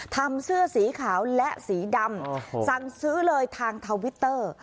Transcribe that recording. เสื้อสีขาวและสีดำสั่งซื้อเลยทางทวิตเตอร์